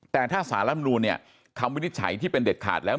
แต่ถ้าสารรับนูนเนี่ยคำวินิจฉัยที่เป็นเด็ดขาดแล้ว